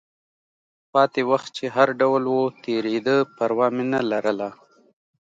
پاتې وخت چې هر ډول و، تېرېده، پروا مې نه لرله.